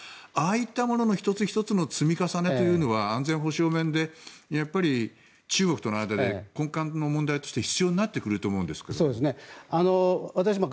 ああいったものの１つ１つの積み重ねというのは安全保障面で中国との間で根幹の問題として必要となってくると思うんですけども。